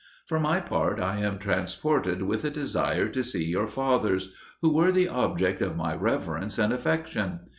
For my part, I am transported with the desire to see your fathers, who were the object of my reverence and affection.